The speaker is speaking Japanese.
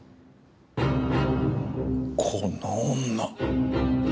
この女。